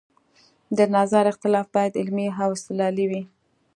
د نظر اختلاف باید علمي او استدلالي وي